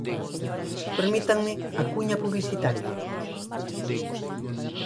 Permítanme a cuña publicitaria.